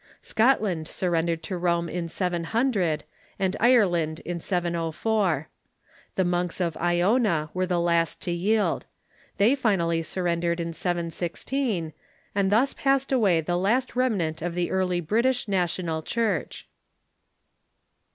Scotland surrendered to Rome in 700, and Ireland in 704. The monks of lona Avere the last to yield. They finally surrendered in 716, and thus passed away the last remnant of the early British National Church.